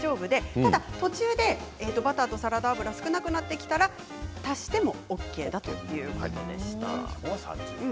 ただ途中でバターとサラダ油が少なくなってきたら足してもＯＫだということでした。